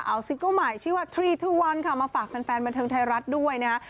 เอาซิงเกิ้ลใหม่ชื่อว่าทรีทุกวันค่ะมาฝากแฟนบันเทิงไทยรัฐด้วยนะฮะ